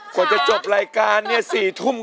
กว่าจะจบรายการเนี่ย๔ทุ่ม